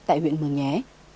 tại huyện mường nhé